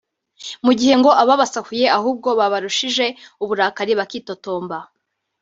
mu gihe ngo ababasahuye ahubwo babarushije uburakari bakitotomba